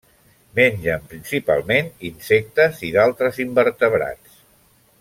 Mengen principalment insectes i d'altres invertebrats.